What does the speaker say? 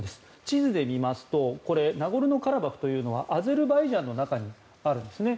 地図で見ますとこれナゴルノカラバフというのはアゼルバイジャンの中にあるんですね。